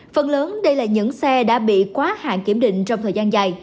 phần lớn đây là những xe đã bị quá hạn kiểm định trong thời gian dài